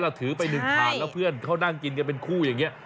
แล้วถือไปหนึ่งถาดแล้วเพื่อนเขานั่งกินกันเป็นคู่อย่างนี้